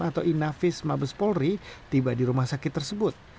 atau inavis mabes polri tiba di rumah sakit tersebut